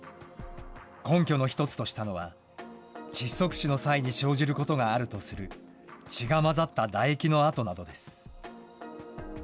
根拠の一つとしたのは、窒息死の際に生じることがあるとする血が混ざった唾液の跡などです。